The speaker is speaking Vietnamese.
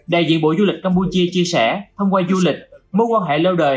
đại diện bộ du lịch campuchia chia sẻ thông qua du lịch mối quan hệ lâu đời